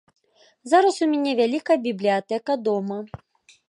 Зараз у мяне вялікая бібліятэка дома.